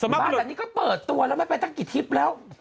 บ้าแต่นี่ก็เปิดตัวแล้วไม่ไปตั้งกี่ทิพย์แล้ว